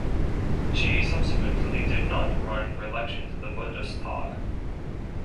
She subsequently did not run for election to the Bundestag.